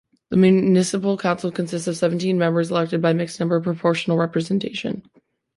The municipal council consists of seventeen members elected by mixed-member proportional representation.